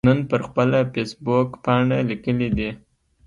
نن پر خپله فیسبوکپاڼه لیکلي دي